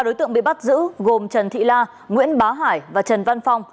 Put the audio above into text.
ba đối tượng bị bắt giữ gồm trần thị la nguyễn bá hải và trần văn phong